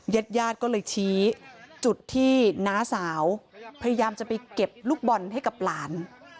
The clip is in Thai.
ญาติญาติก็เลยชี้จุดที่น้าสาวพยายามจะไปเก็บลูกบอลให้กับหลาน